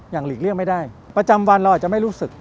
หลีกเลี่ยงไม่ได้ประจำวันเราอาจจะไม่รู้สึก